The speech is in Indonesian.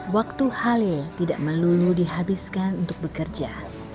waktu halil tidak melulu dihabiskan untuk bekerja